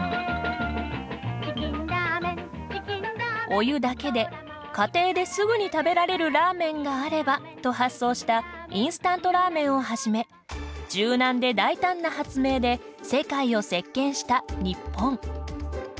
「お湯だけで、家庭ですぐに食べられるラーメンがあれば」と発想したインスタントラーメンをはじめ柔軟で大胆な発明で世界を席けんした日本。